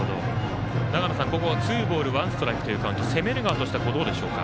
長野さん、ツーボールワンストライクというカウント攻める側としてはどうでしょうか。